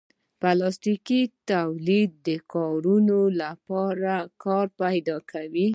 پلاستيکي تولید د کارګرانو لپاره کار پیدا کوي.